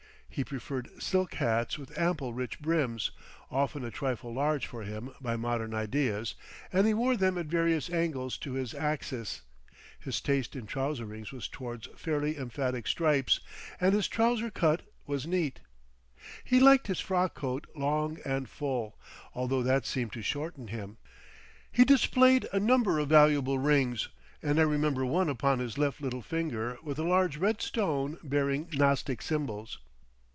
He preferred silk hats with ample rich brims, often a trifle large for him by modern ideas, and he wore them at various angles to his axis; his taste in trouserings was towards fairly emphatic stripes and his trouser cut was neat; he liked his frock coat long and full, although that seemed to shorten him. He displayed a number of valuable rings, and I remember one upon his left little finger with a large red stone bearing Gnostic symbols.